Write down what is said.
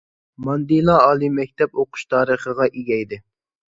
ماندىلا ئالىي مەكتەپ ئوقۇش تارىخىغا ئىگە ئىدى.